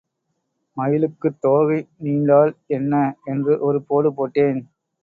மயிலுக்குத் தோகைநீண்டால் என்ன? என்று ஒரு போடு போட்டேன்.